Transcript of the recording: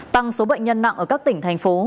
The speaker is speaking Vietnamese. tăng số bệnh nhân nặng ở các tỉnh thành phố